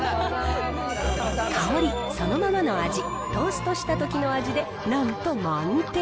香り、そのままの味、トーストしたときの味でなんと満点。